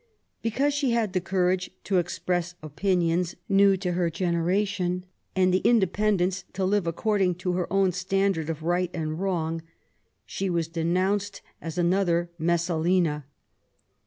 Because she had the courage to express opinions new to her generation^ and the independence to live ac cording to her own standard of right and wrong, she was denounced as another Messalina.